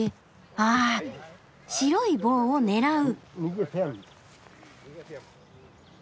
あ白い棒を狙う。